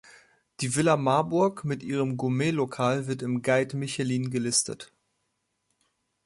Die "Villa Marburg" mit ihrem Gourmet-Lokal wird im Guide Michelin gelistet.